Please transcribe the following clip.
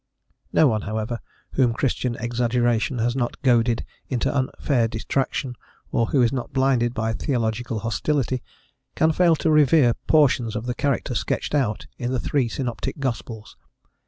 No one, however, whom Christian exaggeration has not goaded into unfair detraction, or who is not blinded by theological hostility, can fail to revere portions of the character sketched out in the three synoptic gospels.